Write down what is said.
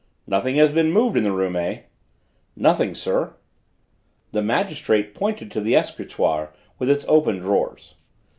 "Nothing has been moved in the room, eh?" "Nothing, sir." The magistrate pointed to the escritoire with its open drawers.